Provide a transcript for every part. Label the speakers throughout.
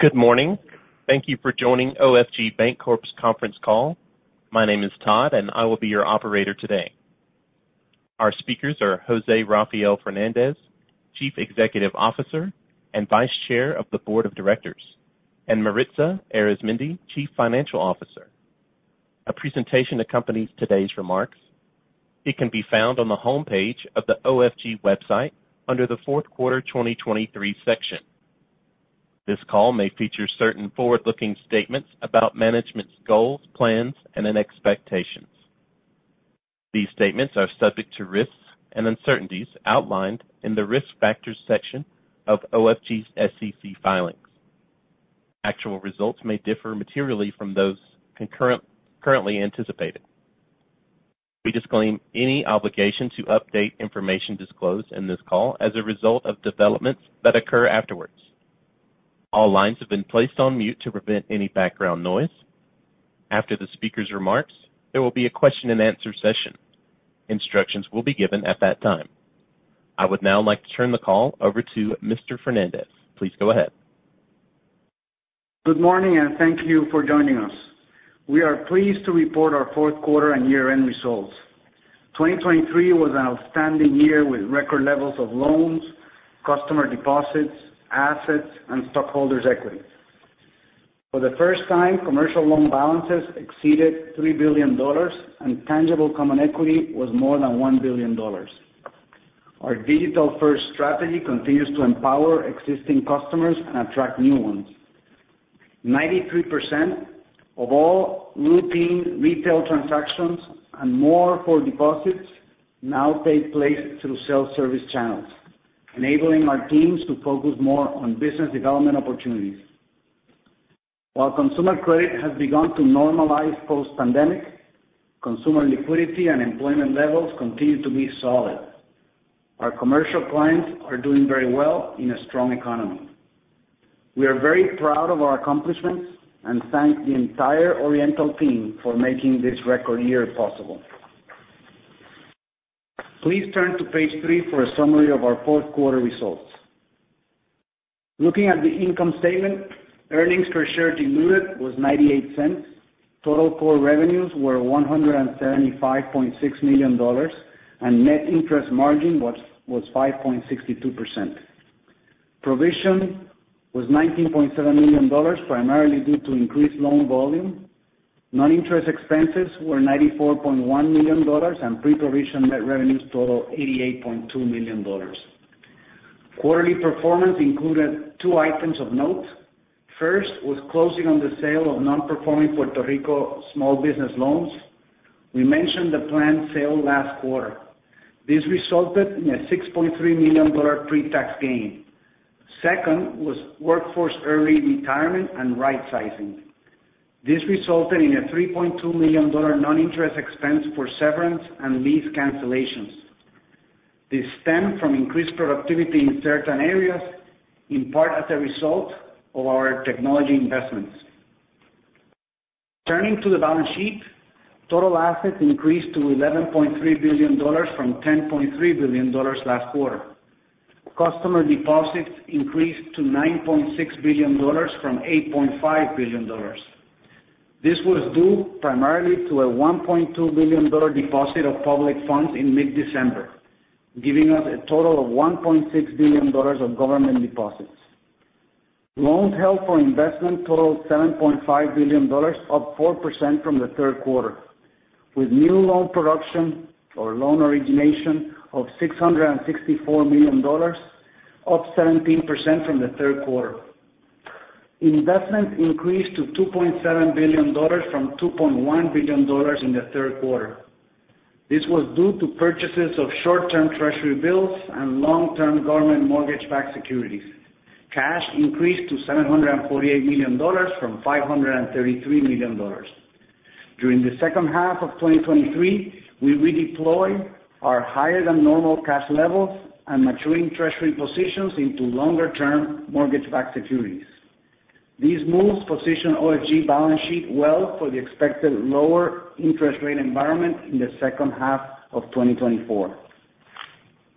Speaker 1: Good morning. Thank you for joining OFG Bancorp's conference call. My name is Todd, and I will be your operator today. Our speakers are José Rafael Fernández, Chief Executive Officer and Vice Chair of the Board of Directors, and Maritza Arizmendi, Chief Financial Officer. A presentation accompanies today's remarks. It can be found on the homepage of the OFG website under the fourth quarter 2023 section. This call may feature certain forward-looking statements about management's goals, plans, and expectations. These statements are subject to risks and uncertainties outlined in the Risk Factors section of OFG's SEC filings. Actual results may differ materially from those currently anticipated. We disclaim any obligation to update information disclosed in this call as a result of developments that occur afterwards. All lines have been placed on mute to prevent any background noise. After the speaker's remarks, there will be a question-and-answer session. Instructions will be given at that time. I would now like to turn the call over to Mr. Fernández. Please go ahead.
Speaker 2: Good morning, and thank you for joining us. We are pleased to report our fourth quarter and year-end results. 2023 was an outstanding year with record levels of loans, customer deposits, assets, and stockholders' equity. For the first time, commercial loan balances exceeded $3 billion, and tangible common equity was more than $1 billion. Our digital-first strategy continues to empower existing customers and attract new ones. 93% of all routine retail transactions and more for deposits now take place through self-service channels, enabling our teams to focus more on business development opportunities. While consumer credit has begun to normalize post-pandemic, consumer liquidity and employment levels continue to be solid. Our commercial clients are doing very well in a strong economy. We are very proud of our accomplishments and thank the entire Oriental team for making this record year possible. Please turn to page three for a summary of our fourth quarter results. Looking at the income statement, earnings per share diluted was $0.98. Total core revenues were $175.6 million, and net interest margin was 5.62%. Provision was $19.7 million, primarily due to increased loan volume. Non-interest expenses were $94.1 million, and pre-provision net revenues totaled $88.2 million. Quarterly performance included two items of note. First was closing on the sale of non-performing Puerto Rico small business loans. We mentioned the planned sale last quarter. This resulted in a $6.3 million pre-tax gain. Second was workforce early retirement and rightsizing. This resulted in a $3.2 million non-interest expense for severance and lease cancellations. This stemmed from increased productivity in certain areas, in part as a result of our technology investments. Turning to the balance sheet, total assets increased to $11.3 billion from $10.3 billion last quarter. Customer deposits increased to $9.6 billion from $8.5 billion. This was due primarily to a $1.2 billion deposit of public funds in mid-December, giving us a total of $1.6 billion of government deposits. Loans held for investment totaled $7.5 billion, up 4% from the third quarter, with new loan production or loan origination of $664 million, up 17% from the third quarter. Investment increased to $2.7 billion from $2.1 billion in the third quarter. This was due to purchases of short-term Treasury bills and long-term government mortgage-backed securities. Cash increased to $748 million from $533 million. During the second half of 2023, we redeployed our higher-than-normal cash levels and maturing Treasury positions into longer-term mortgage-backed securities. These moves position OFG balance sheet well for the expected lower interest rate environment in the second half of 2024.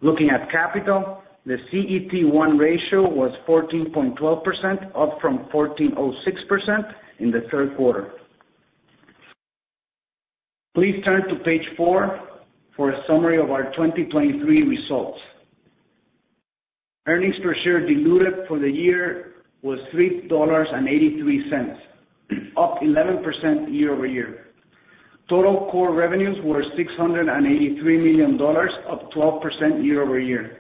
Speaker 2: Looking at capital, the CET1 ratio was 14.12%, up from 14.06% in the third quarter. Please turn to page four for a summary of our 2023 results. Earnings per share diluted for the year was $3.83, up 11% year-over-year. Total core revenues were $683 million, up 12% year-over-year.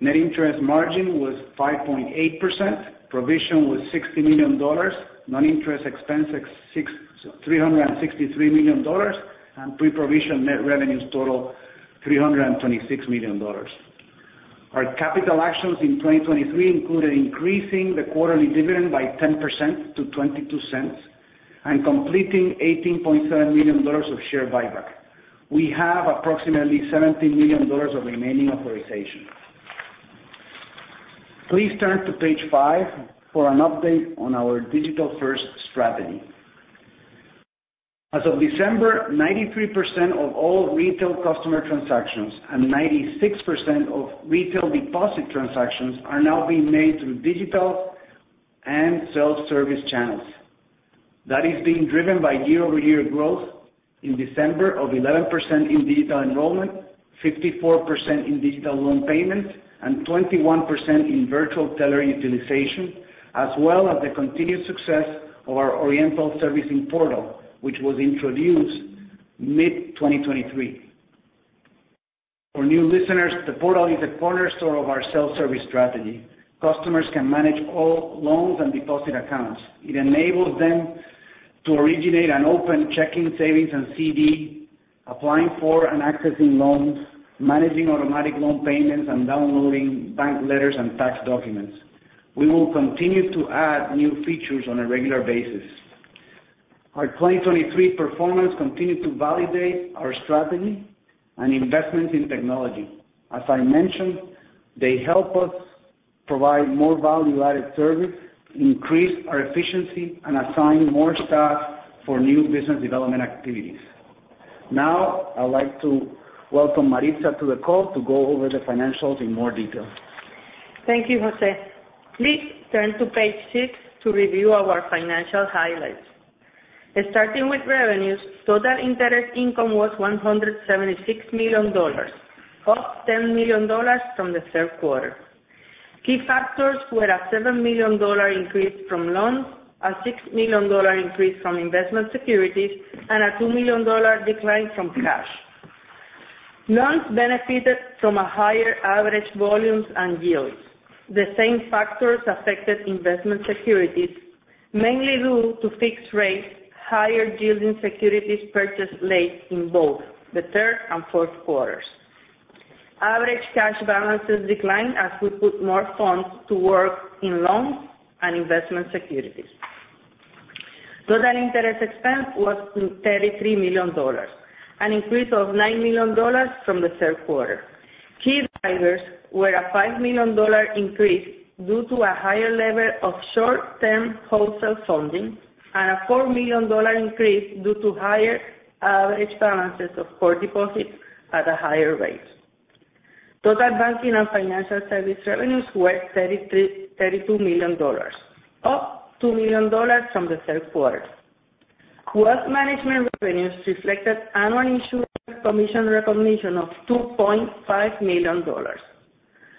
Speaker 2: Net interest margin was 5.8%. Provision was $60 million. Non-interest expense at $363 million, and pre-provision net revenues total $326 million. Our capital actions in 2023 included increasing the quarterly dividend by 10% to $0.22 and completing $18.7 million of share buyback. We have approximately $17 million of remaining authorization. Please turn to page five for an update on our digital-first strategy. As of December, 93% of all retail customer transactions and 96% of retail deposit transactions are now being made through digital and self-service channels. That is being driven by year-over-year growth in December of 11% in digital enrollment, 54% in digital loan payments, and 21% in virtual teller utilization, as well as the continued success of our Oriental Servicing Portal, which was introduced mid-2023. For new listeners, the portal is a cornerstone of our self-service strategy. Customers can manage all loans and deposit accounts. It enables them to originate and open checking, savings, and CD, applying for and accessing loans, managing automatic loan payments, and downloading bank letters and tax documents. We will continue to add new features on a regular basis. Our 2023 performance continued to validate our strategy and investments in technology. As I mentioned, they help us provide more value-added service, increase our efficiency, and assign more staff for new business development activities. Now, I'd like to welcome Maritza to the call to go over the financials in more detail.
Speaker 3: Thank you, José. Please turn to page six to review our financial highlights. Starting with revenues, total interest income was $176 million, up $10 million from the third quarter. Key factors were a $7 million increase from loans, a $6 million increase from investment securities, and a $2 million decline from cash. Loans benefited from higher average volumes and yields. The same factors affected investment securities, mainly due to fixed rates, higher yielding securities purchased late in both the third and fourth quarters. Average cash balances declined as we put more funds to work in loans and investment securities. Total interest expense was $33 million, an increase of $9 million from the third quarter. Key drivers were a $5 million increase due to a higher level of short-term wholesale funding, and a $4 million increase due to higher average balances of core deposits at a higher rate. Total banking and financial service revenues were $32 million, up $2 million from the third quarter. Wealth management revenues reflected annual insurance commission recognition of $2.5 million.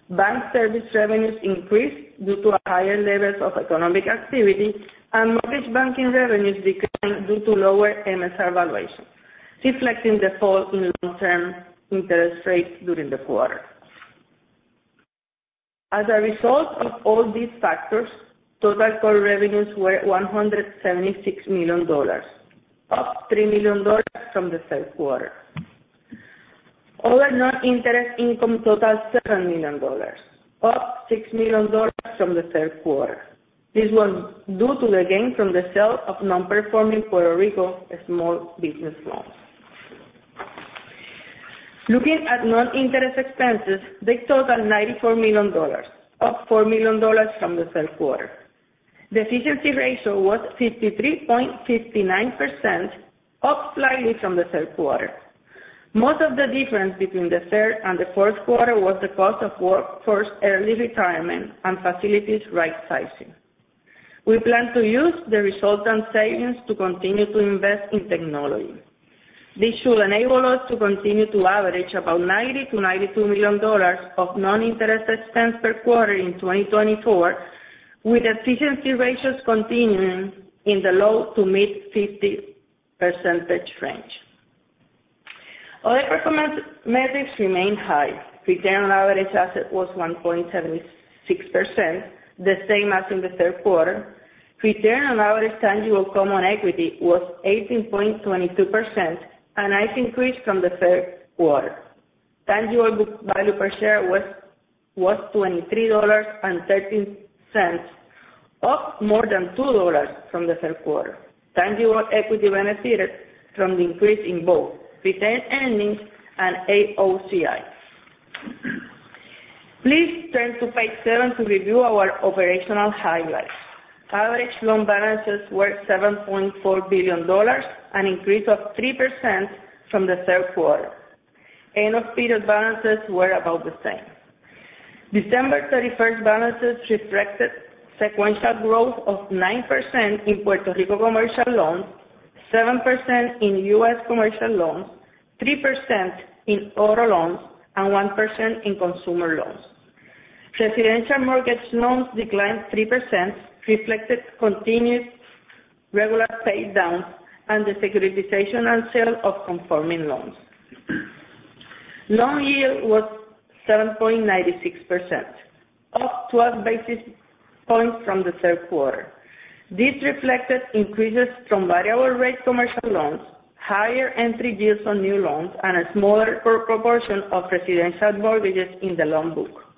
Speaker 3: Bank service revenues increased due to higher levels of economic activity, and mortgage banking revenues declined due to lower MSR valuations, reflecting the fall in long-term interest rates during the quarter. As a result of all these factors, total core revenues were $176 million, up $3 million from the third quarter. Other non-interest income totaled $7 million, up $6 million from the third quarter. This was due to the gain from the sale of non-performing Puerto Rico small business loans. Looking at non-interest expenses, they totaled $94 million, up $4 million from the third quarter. The efficiency ratio was 53.59%, up slightly from the third quarter. Most of the difference between the third and the fourth quarter was the cost of workforce early retirement and facilities rightsizing. We plan to use the resultant savings to continue to invest in technology. This should enable us to continue to average about $90 million-$92 million of non-interest expense per quarter in 2024, with efficiency ratios continuing in the low-to-mid 50s% range. Other performance metrics remained high. Return on average assets was 1.76%, the same as in the third quarter. Return on average tangible common equity was 18.22%, a nice increase from the third quarter. Tangible book value per share was $23.13, up more than $2 from the third quarter. Tangible equity benefited from the increase in both retained earnings and AOCI. Please turn to page seven to review our operational highlights. Average loan balances were $7.4 billion, an increase of 3% from the third quarter. End of period balances were about the same. December 31st balances reflected sequential growth of 9% in Puerto Rico commercial loans, 7% in US commercial loans, 3% in auto loans, and 1% in consumer loans. Residential mortgage loans declined 3%, reflected continued regular pay downs and the securitization and sale of conforming loans. Loan yield was 7.96%, up 12 basis points from the third quarter. This reflected increases from variable rate commercial loans, higher entry deals on new loans, and a smaller proportion of residential mortgages in the loan book.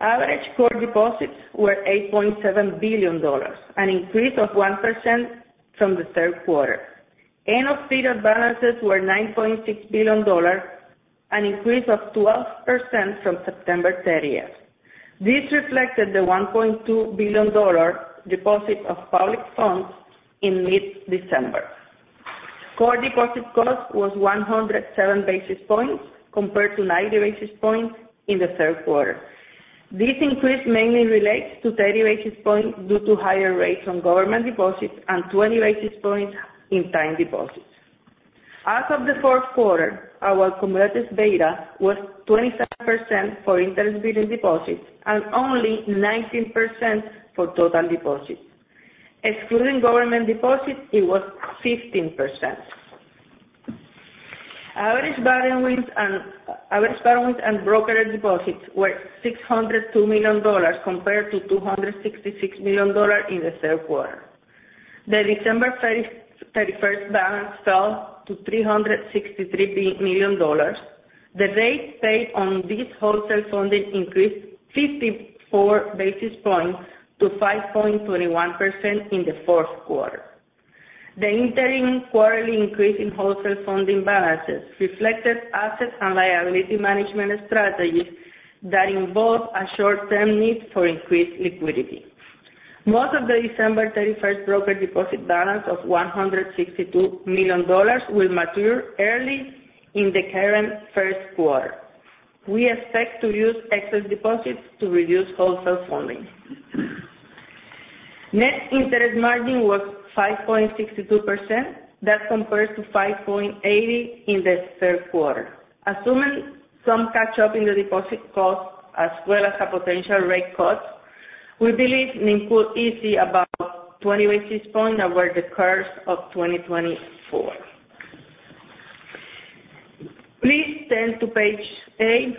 Speaker 3: Average core deposits were $8.7 billion, an increase of 1% from the third quarter. End of period balances were $9.6 billion, an increase of 12% from September 30th. This reflected the $1.2 billion deposit of public funds in mid-December. Core deposit cost was 107 basis points, compared to 90 basis points in the third quarter. This increase mainly relates to 30 basis points due to higher rates on government deposits and 20 basis points in time deposits. As of the fourth quarter, our converted beta was 27% for interest-bearing deposits and only 19% for total deposits. Excluding government deposits, it was 15%. Average borrowings and brokered deposits were $602 million, compared to $266 million in the third quarter. The December 31st balance fell to $363 million. The rate paid on this wholesale funding increased 54 basis points to 5.21% in the fourth quarter. The interim quarterly increase in wholesale funding balances reflected asset and liability management strategies that involve a short-term need for increased liquidity. Most of the December 31st broker deposit balance of $162 million will mature early in the current first quarter. We expect to use excess deposits to reduce wholesale funding. Net interest margin was 5.62%. That compares to 5.80% in the third quarter. Assuming some catch up in the deposit cost, as well as a potential rate cut, we believe it include easy about 20 basis points over the course of 2024. Please turn to page eight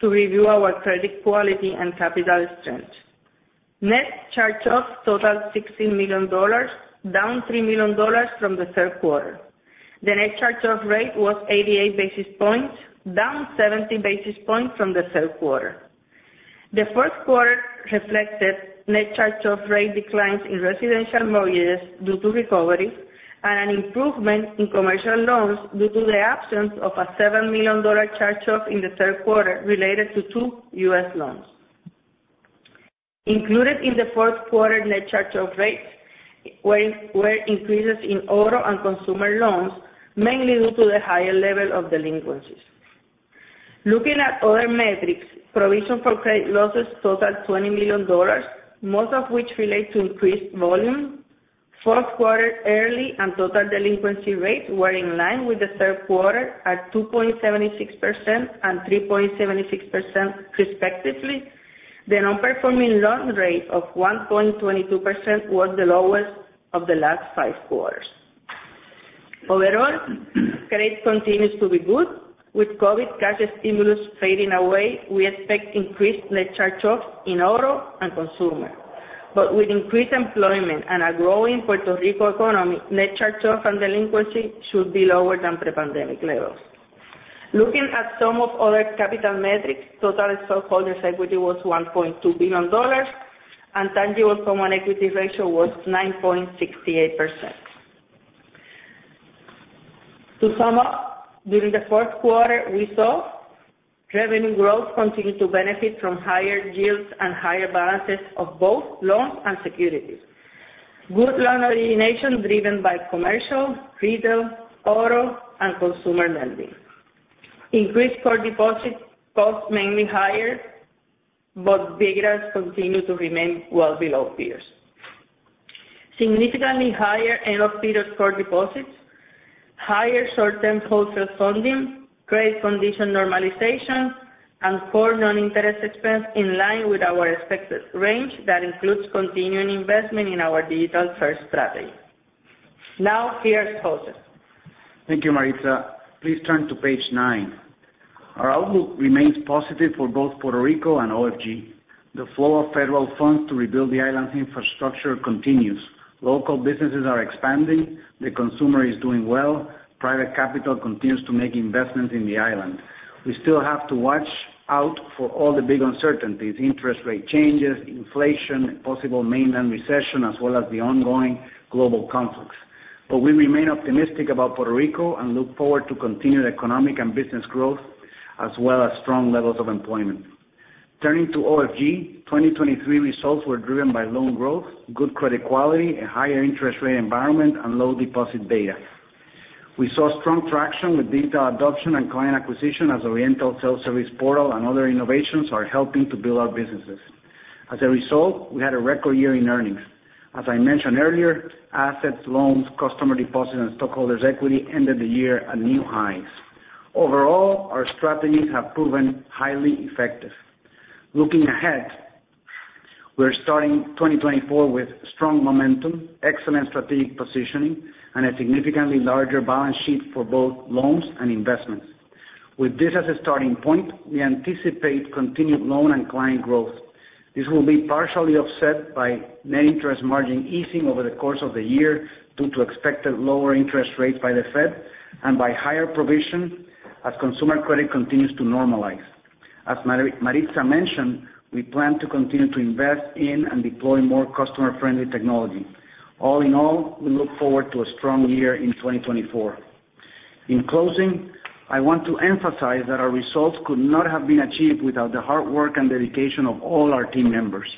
Speaker 3: to review our credit quality and capital strength. Net charge-offs totaled $16 million, down $3 million from the third quarter. The net charge-off rate was 88 basis points, down 70 basis points from the third quarter. The first quarter reflected net charge-off rate declines in residential mortgages due to recovery and an improvement in commercial loans due to the absence of a $7 million charge-off in the third quarter, related to two U.S. loans. Included in the fourth quarter net charge-off rates were increases in auto and consumer loans, mainly due to the higher level of delinquencies. Looking at other metrics, provision for credit losses totaled $20 million, most of which relate to increased volume. Fourth quarter early and total delinquency rates were in line with the third quarter, at 2.76% and 3.76% respectively. The non-performing loan rate of 1.22% was the lowest of the last five quarters. Overall, credit continues to be good. With COVID cash stimulus fading away, we expect increased net charge-offs in auto and consumer. But with increased employment and a growing Puerto Rico economy, net charge-off and delinquency should be lower than pre-pandemic levels. Looking at some of our capital metrics, total stockholders' equity was $1.2 billion, and tangible common equity ratio was 9.68%. To sum up, during the fourth quarter, we saw revenue growth continue to benefit from higher yields and higher balances of both loans and securities. Good loan origination, driven by commercial, retail, auto, and consumer lending. Increased core deposit costs mainly higher, but betas continue to remain well below peers. Significantly higher end-of-period core deposits, higher short-term wholesale funding, credit condition normalization, and core non-interest expense in line with our expected range that includes continuing investment in our digital-first strategy. Now, here's José.
Speaker 2: Thank you, Maritza. Please turn to page nine. Our outlook remains positive for both Puerto Rico and OFG. The flow of federal funds to rebuild the island's infrastructure continues. Local businesses are expanding, the consumer is doing well, private capital continues to make investments in the island. We still have to watch out for all the big uncertainties: interest rate changes, inflation, possible mainland recession, as well as the ongoing global conflicts. But we remain optimistic about Puerto Rico and look forward to continued economic and business growth, as well as strong levels of employment. Turning to OFG, 2023 results were driven by loan growth, good credit quality, a higher interest rate environment, and low deposit beta. We saw strong traction with digital adoption and client acquisition, as Oriental Servicing Portal and other innovations are helping to build our businesses. As a result, we had a record year in earnings. As I mentioned earlier, assets, loans, customer deposits, and stockholders' equity ended the year at new highs. Overall, our strategies have proven highly effective. Looking ahead, we're starting 2024 with strong momentum, excellent strategic positioning, and a significantly larger balance sheet for both loans and investments. With this as a starting point, we anticipate continued loan and client growth. This will be partially offset by net interest margin easing over the course of the year, due to expected lower interest rates by the Fed and by higher provision as consumer credit continues to normalize. As Maritza mentioned, we plan to continue to invest in and deploy more customer-friendly technology. All in all, we look forward to a strong year in 2024. In closing, I want to emphasize that our results could not have been achieved without the hard work and dedication of all our team members.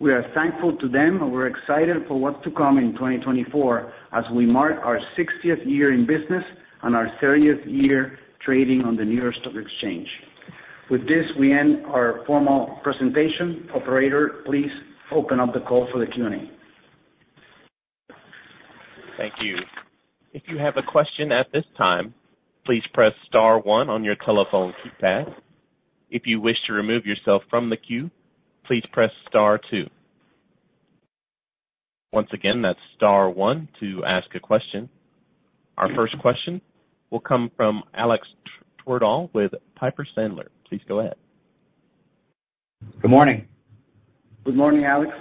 Speaker 2: We are thankful to them, and we're excited for what's to come in 2024 as we mark our 60th year in business and our 30th year trading on the New York Stock Exchange. With this, we end our formal presentation. Operator, please open up the call for the Q&A.
Speaker 1: Thank you. If you have a question at this time, please press star one on your telephone keypad. If you wish to remove yourself from the queue, please press star two. Once again, that's star one to ask a question. Our first question will come from Alex Twerdahl with Piper Sandler. Please go ahead.
Speaker 4: Good morning.
Speaker 2: Good morning, Alex.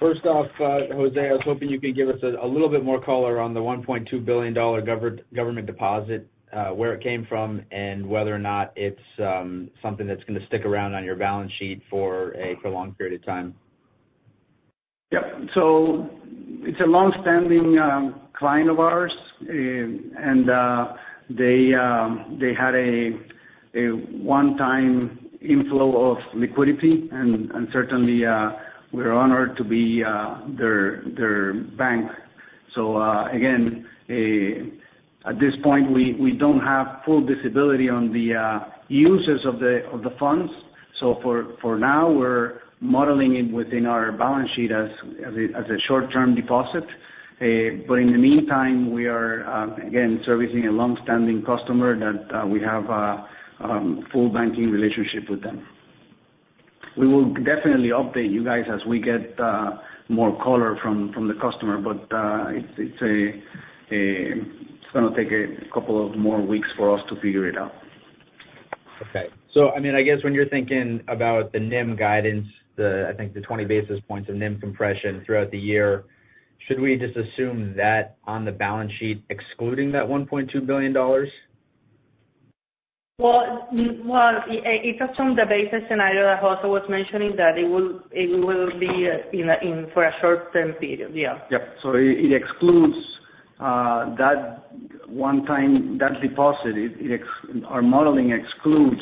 Speaker 4: First off, José, I was hoping you could give us a little bit more color on the $1.2 billion government deposit, where it came from, and whether or not it's something that's gonna stick around on your balance sheet for a prolonged period of time.
Speaker 2: Yep. So it's a long-standing client of ours, and they had a one-time inflow of liquidity, and certainly, we're honored to be their bank. So, again, at this point, we don't have full visibility on the uses of the funds, so for now, we're modeling it within our balance sheet as a short-term deposit. But in the meantime, we are again servicing a long-standing customer that we have a full banking relationship with them. We will definitely update you guys as we get more color from the customer, but it's gonna take a couple of more weeks for us to figure it out.
Speaker 4: Okay. So, I mean, I guess when you're thinking about the NIM guidance, the, I think the 20 basis points of NIM compression throughout the year, should we just assume that on the balance sheet, excluding that $1.2 billion?
Speaker 3: Well, it's just on the basis scenario that José was mentioning that it will be in for a short-term period, yeah.
Speaker 2: Yep. So it excludes that one-time deposit. Our modeling excludes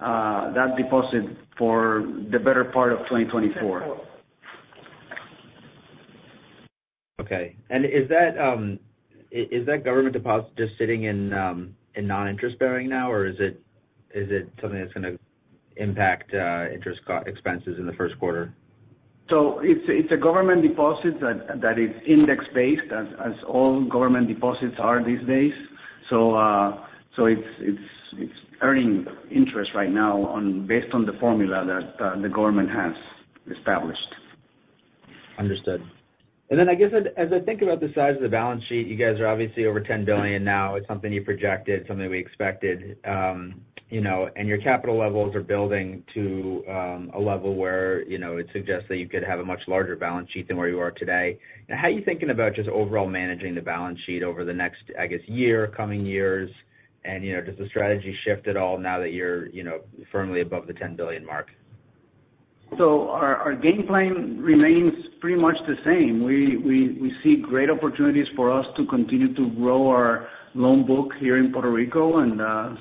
Speaker 2: that deposit for the better part of 2024.
Speaker 4: Okay. And is that government deposit just sitting in non-interest-bearing now, or is it something that's gonna impact interest expenses in the first quarter?
Speaker 2: It's a government deposit that is index-based, as all government deposits are these days. It's earning interest right now based on the formula that the government has established.
Speaker 4: Understood. Then I guess as I think about the size of the balance sheet, you guys are obviously over $10 billion now. It's something you projected, something we expected. You know, and your capital levels are building to a level where, you know, it suggests that you could have a much larger balance sheet than where you are today. Now, how are you thinking about just overall managing the balance sheet over the next, I guess, year, coming years? And, you know, does the strategy shift at all now that you're, you know, firmly above the $10 billion mark?
Speaker 2: So our game plan remains pretty much the same. We see great opportunities for us to continue to grow our loan book here in Puerto Rico and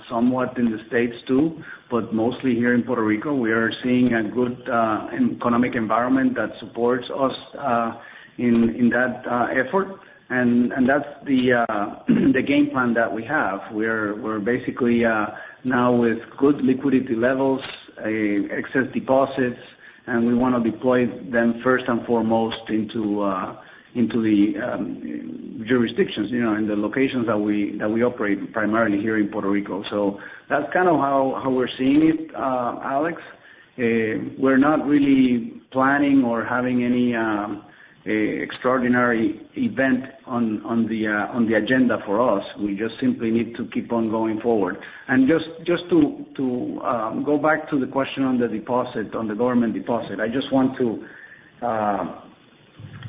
Speaker 2: somewhat in the States, too, but mostly here in Puerto Rico. We are seeing a good economic environment that supports us in that effort, and that's the game plan that we have. We're basically now with good liquidity levels, excess deposits, and we wanna deploy them first and foremost into the jurisdictions, you know, in the locations that we operate, primarily here in Puerto Rico. So that's kind of how we're seeing it, Alex. We're not really planning or having any a extraordinary event on the agenda for us. We just simply need to keep on going forward. Just to go back to the question on the deposit, on the government deposit, I just want to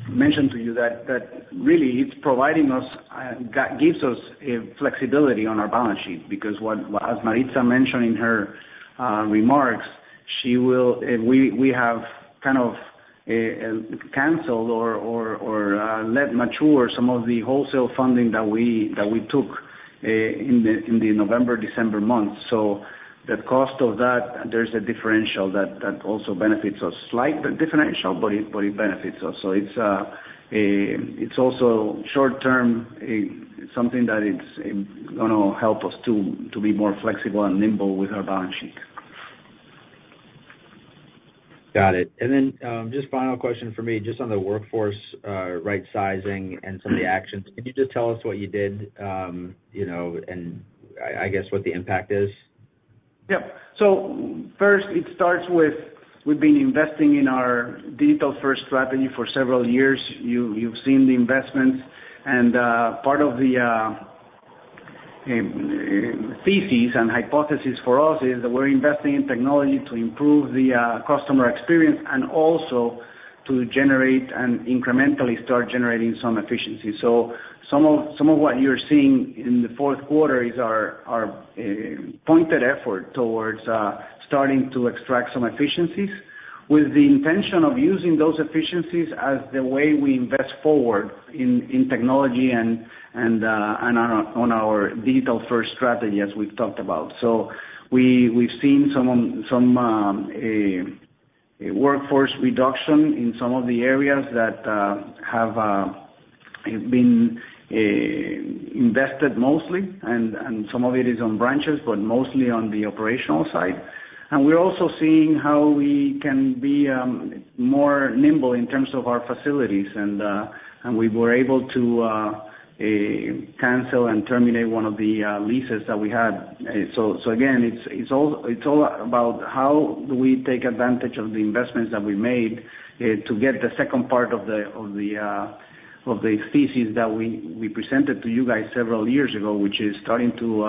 Speaker 2: mention to you that really it's providing us gives us a flexibility on our balance sheet because as Maritza mentioned in her remarks, we have kind of canceled or let mature some of the wholesale funding that we took in the November-December months. So the cost of that, there's a differential that also benefits us. Slight differential, but it benefits us. So it's also short term something that is gonna help us to be more flexible and nimble with our balance sheet.
Speaker 4: Got it. And then, just final question for me, just on the workforce, right sizing and some of the actions. Can you just tell us what you did, you know, and I guess what the impact is?
Speaker 2: Yep. So first, it starts with we've been investing in our digital-first strategy for several years. You've seen the investments, and part of the thesis and hypothesis for us is that we're investing in technology to improve the customer experience and also to generate and incrementally start generating some efficiency. So some of what you're seeing in the fourth quarter is our pointed effort towards starting to extract some efficiencies, with the intention of using those efficiencies as the way we invest forward in technology and on our digital-first strategy, as we've talked about. So we've seen some workforce reduction in some of the areas that have been invested mostly, and some of it is on branches, but mostly on the operational side. And we're also seeing how we can be more nimble in terms of our facilities, and we were able to cancel and terminate one of the leases that we had. So again, it's all about how do we take advantage of the investments that we made to get the second part of the thesis that we presented to you guys several years ago, which is starting to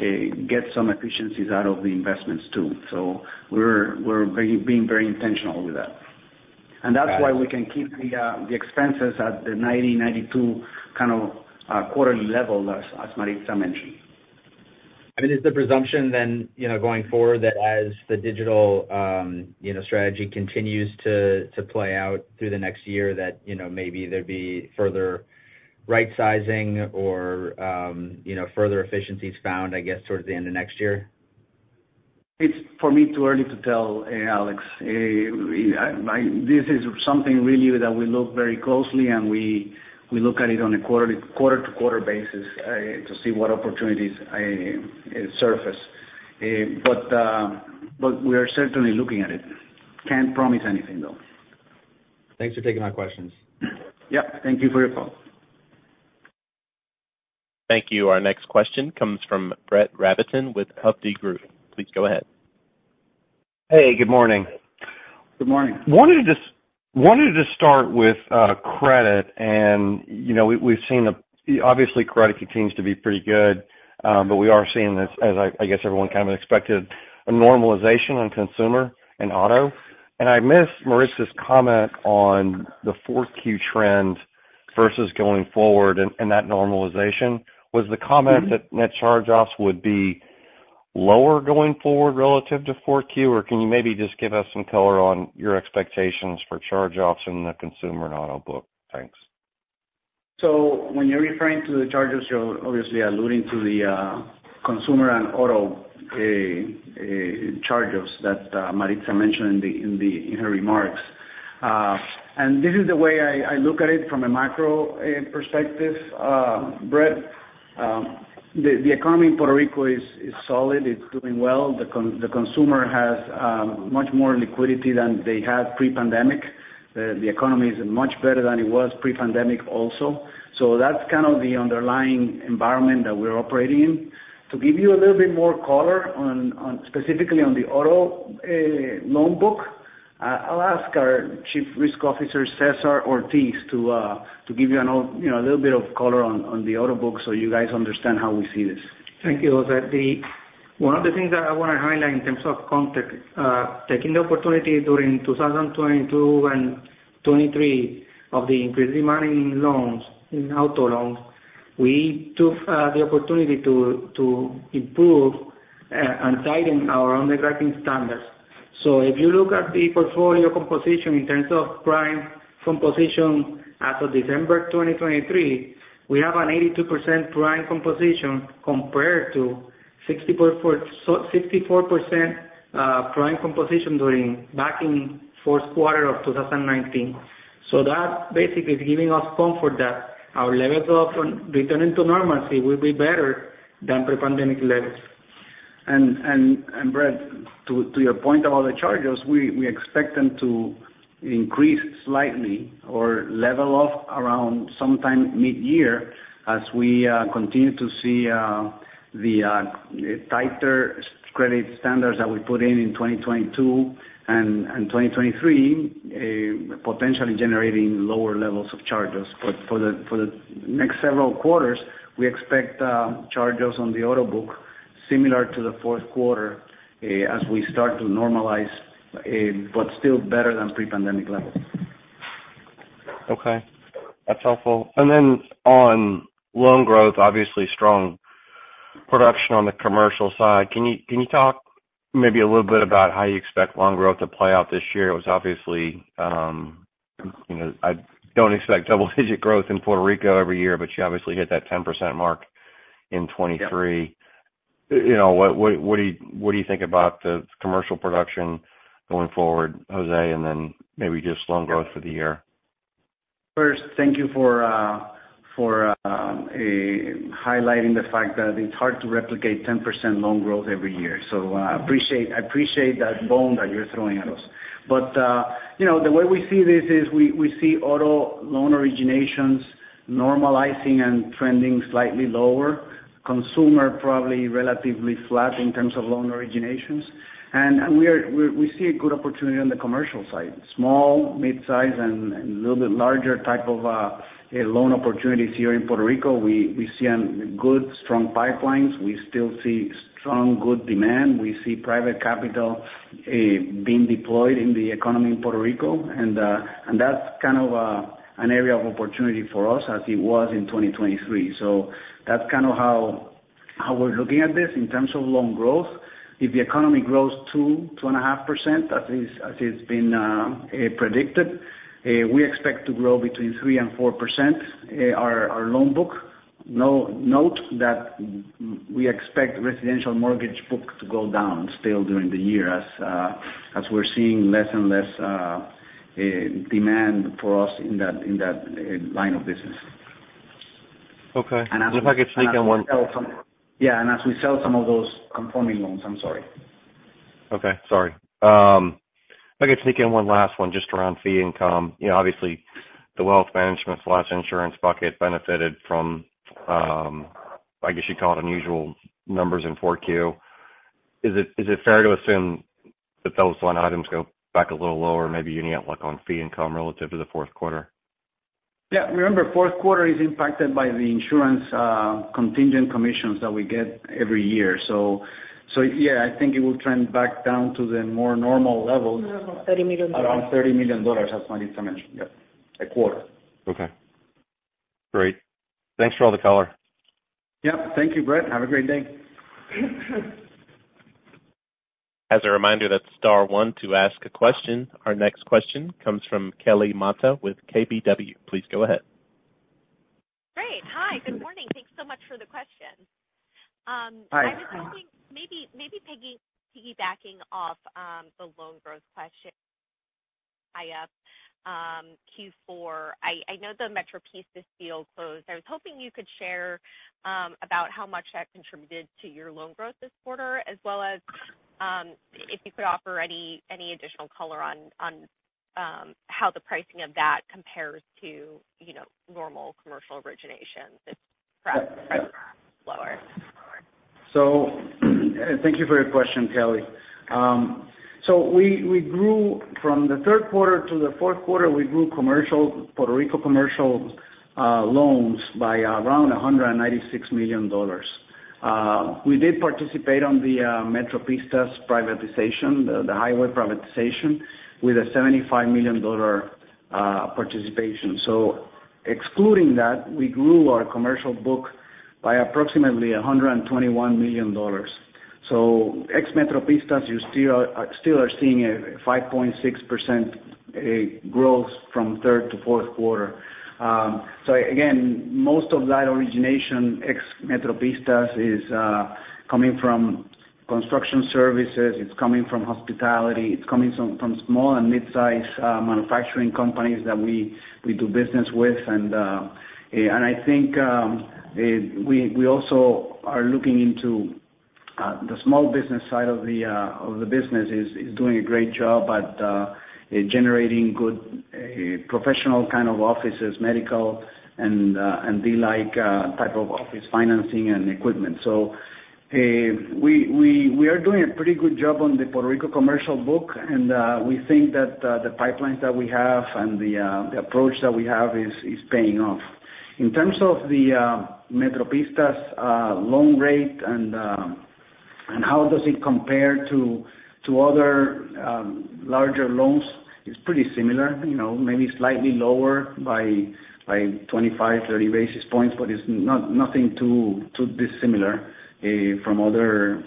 Speaker 2: get some efficiencies out of the investments, too. So we're being very intentional with that. And that's why we can keep the expenses at the $90 million-$92 million kind of quarterly level, as Maritza mentioned.
Speaker 4: I mean, is the presumption then, you know, going forward, that as the digital, you know, strategy continues to play out through the next year, that, you know, maybe there'd be further right-sizing or, you know, further efficiencies found, I guess, towards the end of next year?
Speaker 2: It's, for me, too early to tell, Alex. This is something really that we look very closely, and we look at it on a quarter-to-quarter basis to see what opportunities surface. But we are certainly looking at it. Can't promise anything, though.
Speaker 4: Thanks for taking my questions.
Speaker 2: Yeah. Thank you for your call.
Speaker 1: Thank you. Our next question comes from Brett Rabatin with Hovde Group. Please go ahead.
Speaker 5: Hey, good morning.
Speaker 2: Good morning.
Speaker 5: Wanted to start with credit, and you know, we, we've seen the obviously, credit continues to be pretty good, but we are seeing this, as I guess everyone kind of expected, a normalization on consumer and auto. And I missed Maritza's comment on the 4Q trend versus going forward and that normalization. Was the comment-
Speaker 2: Mm-hmm.
Speaker 5: That net charge-offs would be lower going forward relative to 4Q? Or can you maybe just give us some color on your expectations for charge-offs in the consumer and auto book? Thanks.
Speaker 2: So when you're referring to the charges, you're obviously alluding to the consumer and auto charge-offs that Maritza mentioned in her remarks. And this is the way I look at it from a macro perspective, Brett. The economy in Puerto Rico is solid, it's doing well. The consumer has much more liquidity than they had pre-pandemic. The economy is much better than it was pre-pandemic also. So that's kind of the underlying environment that we're operating in. To give you a little bit more color on specifically on the auto loan book, I'll ask our Chief Risk Officer, César Ortiz, to give you you know, a little bit of color on the auto book so you guys understand how we see this.
Speaker 6: Thank you, José. One of the things that I wanna highlight in terms of context, taking the opportunity during 2022 and 2023 of the increased demand in loans, in auto loans, we took the opportunity to improve and tighten our underwriting standards. So if you look at the portfolio composition in terms of prime composition as of December 2023, we have an 82% prime composition compared to 60.4, so 64%, prime composition during, back in fourth quarter of 2019. So that basically is giving us comfort that our levels of returning to normalcy will be better than pre-pandemic levels.
Speaker 2: And Brett, to your point about the charges, we expect them to increase slightly or level off around sometime mid-year as we continue to see the tighter credit standards that we put in 2022 and 2023 potentially generating lower levels of charges. But for the next several quarters, we expect charges on the auto book similar to the fourth quarter as we start to normalize but still better than pre-pandemic levels.
Speaker 5: Okay, that's helpful. And then on loan growth, obviously strong production on the commercial side. Can you talk maybe a little bit about how you expect loan growth to play out this year? It was obviously, you know, I don't expect double-digit growth in Puerto Rico every year, but you obviously hit that 10% mark in 2023.
Speaker 2: Yeah.
Speaker 5: You know, what do you think about the commercial production going forward, José, and then maybe just loan growth for the year?
Speaker 2: First, thank you for highlighting the fact that it's hard to replicate 10% loan growth every year. So, I appreciate that bone that you're throwing at us. But you know, the way we see this is we see auto loan originations normalizing and trending slightly lower. Consumer, probably relatively flat in terms of loan originations.... And we see a good opportunity on the commercial side. Small, mid-size, and a little bit larger type of loan opportunities here in Puerto Rico. We see a good, strong pipeline. We still see strong, good demand. We see private capital being deployed in the economy in Puerto Rico, and that's kind of an area of opportunity for us as it was in 2023. So that's kind of how we're looking at this in terms of loan growth. If the economy grows 2.5%, as it's been predicted, we expect to grow between 3% and 4% our loan book. Note that we expect residential mortgage book to go down still during the year as we're seeing less and less demand for us in that line of business.
Speaker 5: Okay. And if I could sneak in one-
Speaker 2: Yeah, and as we sell some of those conforming loans, I'm sorry.
Speaker 5: Okay, sorry. If I could sneak in one last one just around fee income. You know, obviously, the wealth management/insurance bucket benefited from, I guess you'd call it unusual numbers in 4Q. Is it fair to assume that those line items go back a little lower, maybe even out, like, on fee income relative to the fourth quarter?
Speaker 2: Yeah. Remember, fourth quarter is impacted by the insurance, contingent commissions that we get every year. So, so yeah, I think it will trend back down to the more normal level-
Speaker 3: Normal, $30 million.
Speaker 2: Around $30 million, as Maritza mentioned. Yep, a quarter.
Speaker 5: Okay. Great. Thanks for all the color.
Speaker 2: Yep. Thank you, Brett. Have a great day.
Speaker 1: As a reminder, that's star one to ask a question. Our next question comes from Kelly Motta with KBW. Please go ahead.
Speaker 7: Great. Hi, good morning. Thanks so much for the question.
Speaker 2: Hi.
Speaker 7: I'm just hoping maybe piggybacking off the loan growth question in Q4. I know the Metropistas deal closed. I was hoping you could share about how much that contributed to your loan growth this quarter, as well as if you could offer any additional color on how the pricing of that compares to, you know, normal commercial origination, if perhaps lower.
Speaker 2: So thank you for your question, Kelly. So we grew from the third quarter to the fourth quarter. We grew commercial Puerto Rico commercial loans by around $196 million. We did participate on the Metropistas privatization, the highway privatization, with a $75 million participation. So excluding that, we grew our commercial book by approximately $121 million. So ex Metropistas, you still are seeing a 5.6% growth from third to fourth quarter. So again, most of that origination, ex Metropistas, is coming from construction services. It's coming from hospitality. It's coming from small and mid-sized manufacturing companies that we do business with. And I think we also are looking into the small business side of the business is doing a great job at generating good professional kind of offices, medical and the like type of office financing and equipment. So we are doing a pretty good job on the Puerto Rico commercial book, and we think that the pipelines that we have and the approach that we have is paying off. In terms of the Metropistas loan rate and how does it compare to other larger loans? It's pretty similar, you know, maybe slightly lower by 25-30 basis points, but it's not nothing too dissimilar from other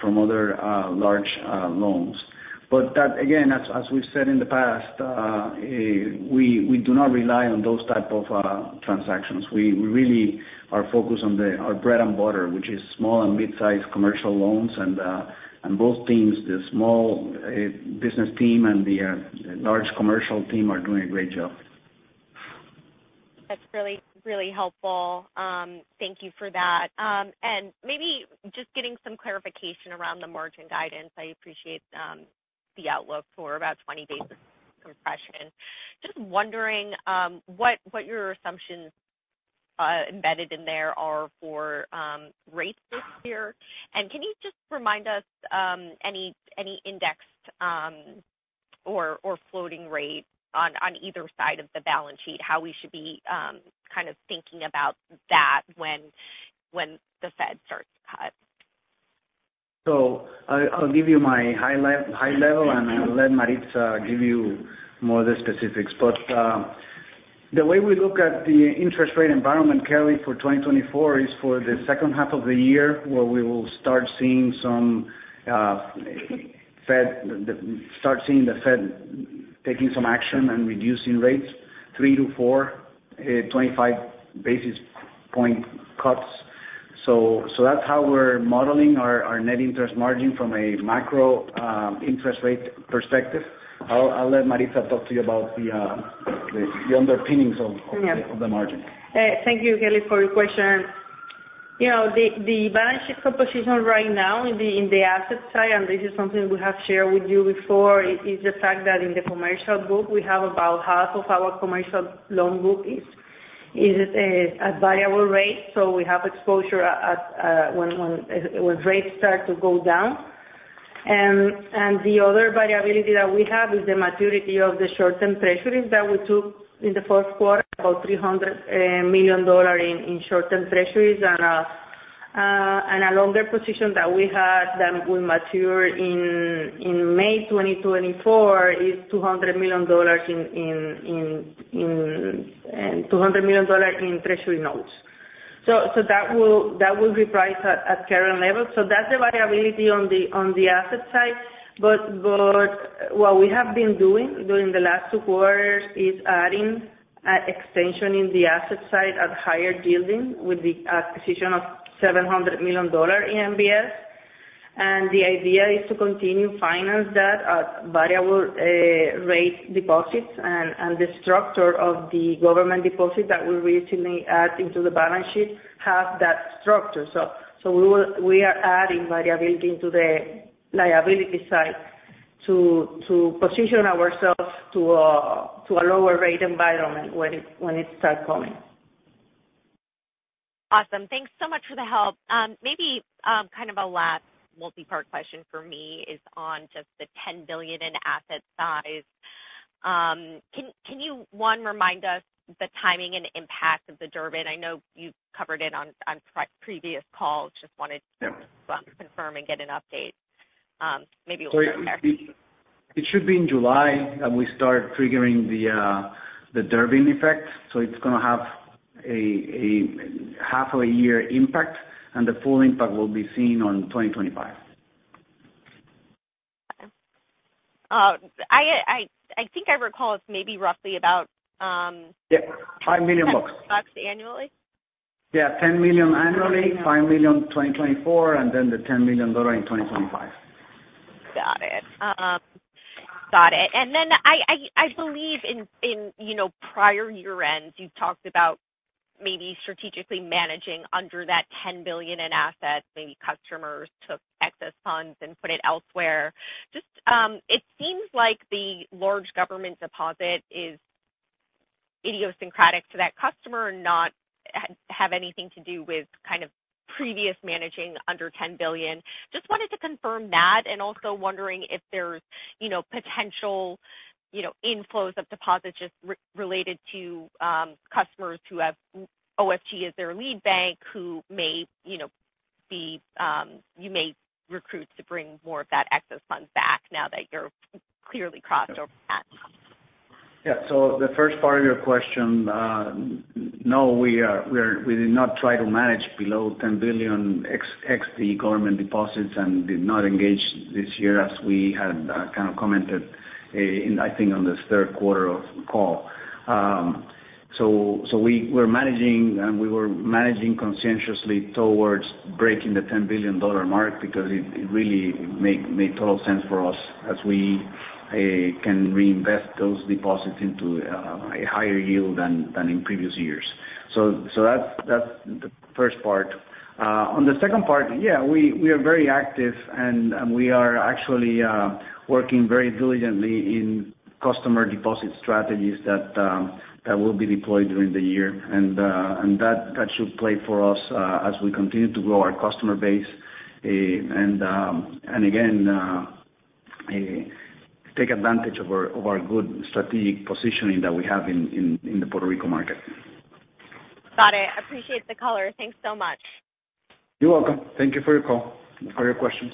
Speaker 2: large loans. But that, again, as we've said in the past, we do not rely on those type of transactions. We really are focused on our bread and butter, which is small and mid-sized commercial loans. And both teams, the small business team and the large commercial team, are doing a great job.
Speaker 7: That's really, really helpful. Thank you for that. And maybe just getting some clarification around the margin guidance. I appreciate the outlook for about 20 basis compression. Just wondering, what your assumptions embedded in there are for rates this year? And can you just remind us, any indexed or floating rate on either side of the balance sheet, how we should be kind of thinking about that when the Fed starts to cut?
Speaker 2: So I'll give you my high level, and I'll let Maritza give you more of the specifics. But the way we look at the interest rate environment, Kelly, for 2024, is for the second half of the year, where we will start seeing the Fed taking some action and reducing rates three-four 25 basis point cuts. So that's how we're modeling our net interest margin from a macro interest rate perspective. I'll let Maritza talk to you about the underpinnings of-
Speaker 3: Yeah.
Speaker 2: of the margin.
Speaker 3: Thank you, Kelly, for your question. You know, the balance sheet composition right now in the asset side, and this is something we have shared with you before, is the fact that in the commercial book, we have about half of our commercial loan book is-... is a variable rate, so we have exposure when rates start to go down. The other variability that we have is the maturity of the short-term treasuries that we took in the first quarter, about $300 million in short-term treasuries and a longer position that we had that will mature in May 2024, is $200 million in and $200 million in Treasury notes. That will reprice at current levels. That's the variability on the asset side. What we have been doing during the last two quarters is adding extension in the asset side at higher yielding, with the acquisition of $700 million in MBS. And the idea is to continue finance that at variable rate deposits and the structure of the government deposits that we recently add into the balance sheet have that structure. So we are adding variability to the liability side to position ourselves to a lower rate environment when it starts coming.
Speaker 7: Awesome. Thanks so much for the help. Maybe, kind of a last multi-part question for me is on just the $10 billion in asset size. Can you, one, remind us the timing and impact of the Durbin? I know you've covered it on previous calls, just wanted to-
Speaker 2: Yeah.
Speaker 7: - confirm and get an update. Maybe we'll start there.
Speaker 2: It should be in July that we start triggering the Durbin effect, so it's gonna have a half of a year impact, and the full impact will be seen on 2025.
Speaker 7: I think I recall it's maybe roughly about
Speaker 2: Yeah, $5 million.
Speaker 7: Bucks annually?
Speaker 2: Yeah, $10 million annually, $5 million 2024, and then the $10 million dollar in 2025.
Speaker 7: Got it. Got it. And then I believe in, you know, prior year-ends, you've talked about maybe strategically managing under that 10 billion in assets. Maybe customers took excess funds and put it elsewhere. Just, it seems like the large government deposit is idiosyncratic to that customer and not have anything to do with kind of previous managing under $10 billion. Just wanted to confirm that, and also wondering if there's, you know, potential, you know, inflows of deposits just re-related to, customers who have OFG as their lead bank, who may, you know, you may recruit to bring more of that excess funds back now that you're clearly crossed over that.
Speaker 2: Yeah. So the first part of your question, no, we did not try to manage below $10 billion ex the government deposits and did not engage this year, as we had kind of commented in, I think, on the third quarter call. So we were managing, and we were managing conscientiously towards breaking the $10 billion mark because it really made total sense for us as we can reinvest those deposits into a higher yield than in previous years. So that's the first part. On the second part, yeah, we are very active, and we are actually working very diligently in customer deposit strategies that will be deployed during the year. That should play for us as we continue to grow our customer base and again take advantage of our good strategic positioning that we have in the Puerto Rico market.
Speaker 7: Got it. I appreciate the color. Thanks so much.
Speaker 2: You're welcome. Thank you for your call, for your questions.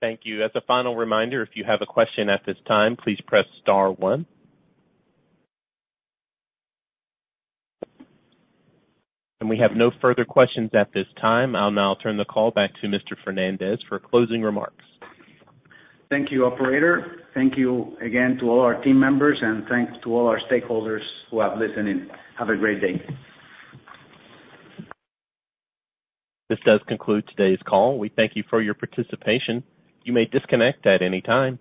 Speaker 1: Thank you. As a final reminder, if you have a question at this time, please press star one. And we have no further questions at this time. I'll now turn the call back to Mr. Fernández for closing remarks.
Speaker 2: Thank you, operator. Thank you again to all our team members, and thanks to all our stakeholders who have listened in. Have a great day.
Speaker 1: This does conclude today's call. We thank you for your participation. You may disconnect at any time.